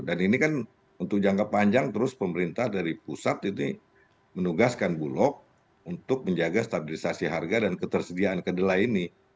dan ini kan untuk jangka panjang terus pemerintah dari pusat ini menugaskan bulog untuk menjaga stabilisasi harga dan ketersediaan kedelai ini